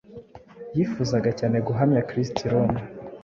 Yifuzaga cyane guhamya Kristo i Roma;